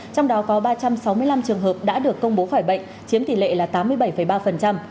trong đó có ba trăm sáu mươi năm trường hợp đã được công bố khỏi bệnh chiếm tỷ lệ là tám mươi bảy ba